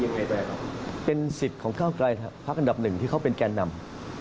ยังไงแปลปรุงเป็นสิทธิ์ของข้าวไกรภาคอันดับหนึ่งที่เขาเป็นการนำ